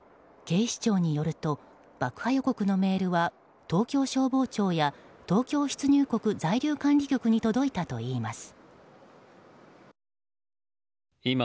警視庁によると爆破予告のメールは東京消防庁や東京出入国在留管理局に届いたといいます。